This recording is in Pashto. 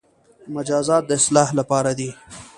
مجازات د اصلاح لپاره دي